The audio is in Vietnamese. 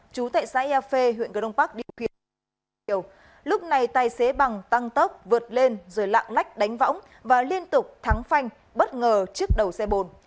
chú tại xã yafê huyện cửa đông bắc điều khiển lúc này tài xế bằng tăng tốc vượt lên rồi lạng lách đánh võng và liên tục thắng phanh bất ngờ trước đầu xe bồn